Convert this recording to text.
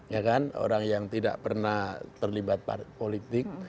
ya kan orang yang tidak pernah terlibat politik